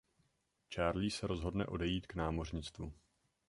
Charlie se rozhodne odejít k námořnictvu.